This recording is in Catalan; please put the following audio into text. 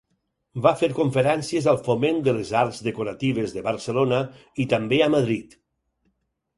Va fer conferències al Foment de les Arts Decoratives de Barcelona i també a Madrid.